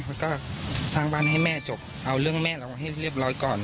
แล้วก็สร้างบ้านให้แม่จบเอาเรื่องแม่เราให้เรียบร้อยก่อน